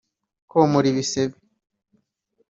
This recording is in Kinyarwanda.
komora ibisebe